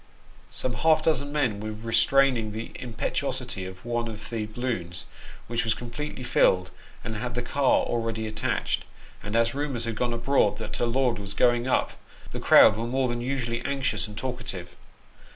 Some half dozen men were restraining the impetuosity of one of the balloons, which was completely filled, and had the car already attached ; and as rumours had gone abroad that a Lord was " going up," tho crowd were more than usually anxious and talkative.